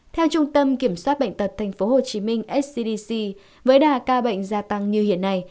theo trung tâm kiểm soát bệnh tật tp hcm scdc với đà ca bệnh gia tăng như hiện nay